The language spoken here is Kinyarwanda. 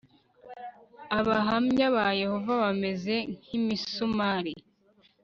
abahamya ba yehova bameze nk'imisumari